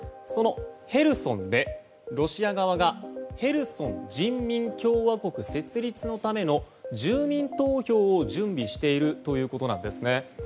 そのヘルソンでロシア側がヘルソン人民共和国設立のための住民投票を準備しているということです。